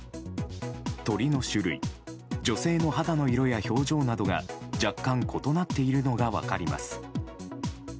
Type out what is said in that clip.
鳥の種類女性の肌の色や表情などが若干異なっているのが分かります。